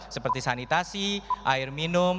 seperti sanitasi air minum